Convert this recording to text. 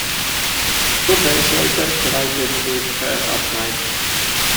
Two days later collided with her at night.